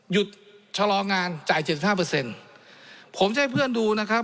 หยุดชะลองานจ่ายเจ็ดสิบห้าเปอร์เซ็นต์ผมจะให้เพื่อนดูนะครับ